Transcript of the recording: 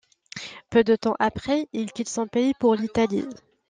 Peu de temps après il quitte son pays pour l'Italie.